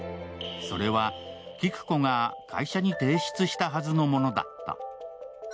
それは紀久子が会社に提出したはずのものだった。